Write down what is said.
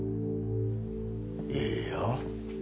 いいよ。